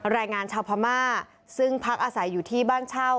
แรงงานชาวพม่าซึ่งพักอาศัยอยู่ที่บ้านเช่า